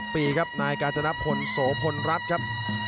ปีครับนายกาญจนพลโสพลรัฐครับ